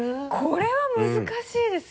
これは難しいですよ。